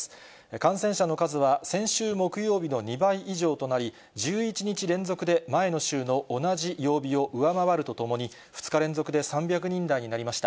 感染者の数は先週木曜日の２倍以上となり、１１日連続で前の週の同じ曜日を上回るとともに、２日連続で３００人台になりました。